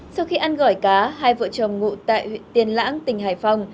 sau khi ăn gỏi cá hai vợ chồng ngụ tại huyện tiên lãng tỉnh hải phòng